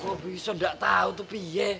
kok bisa gak tahu tuh piye